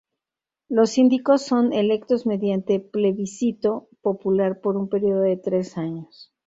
Los síndicos son electos mediante plebiscito popular por un periodo de tres años.